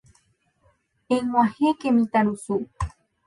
Eg̃uahẽke mitãrusu.